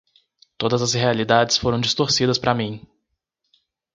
Todas as realidades foram distorcidas para mim.